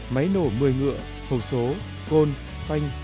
máy nổ một mươi ngựa hồ số côn phanh